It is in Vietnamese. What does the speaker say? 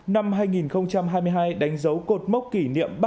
năm hai nghìn hai mươi hai đánh dấu cột mốc kỷ niệm